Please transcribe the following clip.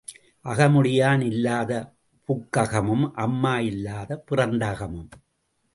அகமுடையான் இல்லாத புக்ககமும் அம்மா இல்லாத பிறந்தகமும்.